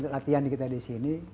latihan kita di sini